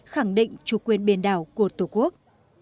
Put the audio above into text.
khẳng định chủ quyền biển đảo của tổ quốc